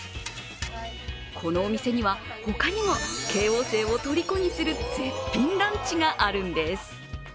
このお店には他にも慶応生をとりこにする絶品ランチがあるんです。